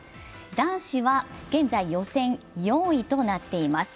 男子は現在予選４位となっています